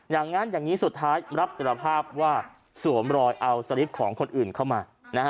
อย่างนั้นอย่างนี้สุดท้ายรับสารภาพว่าสวมรอยเอาสลิปของคนอื่นเข้ามา